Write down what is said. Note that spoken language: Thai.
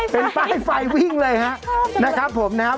เป็นป้ายไฟวิ่งเลยครับนะครับผมนะครับ